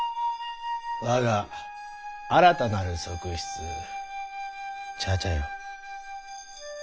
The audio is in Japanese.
我が新たなる側室茶々よ。